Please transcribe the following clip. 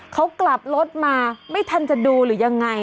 เขากลับรถมาไม่ทันจะดูหรือยังไง